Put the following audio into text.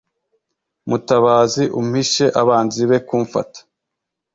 Mutabazi umpishe abanzi be kumfata